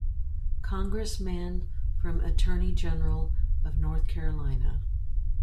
Congressman from and Attorney General of North Carolina.